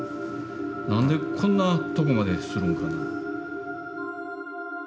何でこんなとこまでするんかな。